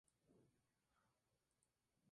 Es el guitarrista.